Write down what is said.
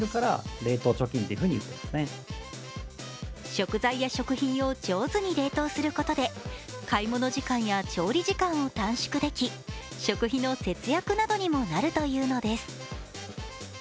食材や食品を上手に冷凍することで買い物時間や調理時間を短縮でき食費の節約などにもなるというのです。